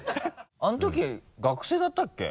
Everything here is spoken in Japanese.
あのとき学生だったっけ？